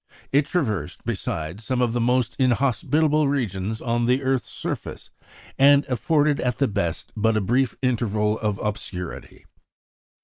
It traversed, besides, some of the most inhospitable regions on the earth's surface, and afforded, at the best, but a brief interval of obscurity.